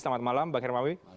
selamat malam bang hermawi